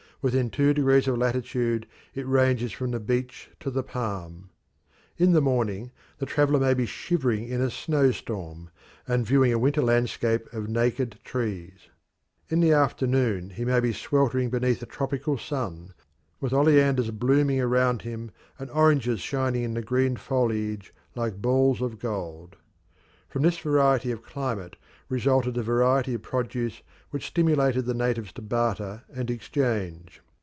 Within two degrees of latitude it ranges from the beech to the palm. In the morning the traveller may be shivering in a snow storm, and viewing a winter landscape of naked trees; in the afternoon he may be sweltering beneath a tropical sun, with oleanders blooming around him and oranges shining in the green foliage like balls of gold. From this variety of climate resulted a variety of produce which stimulated the natives to barter and exchange.